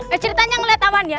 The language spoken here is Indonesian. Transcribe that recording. eh ceritanya ngeliat tawan ya